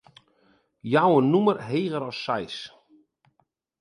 Jou in nûmer heger as seis.